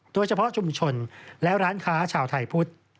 โดยเฉพาะชุมชนและร้านค้าชาวไทยพุทธ